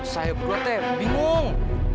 saya berbuatnya bingung